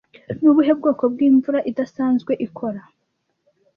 Ni ubuhe bwoko bw'imvura idasanzwe ikora